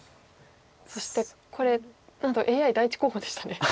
そしてこれなんとＡＩ第１候補でしたね。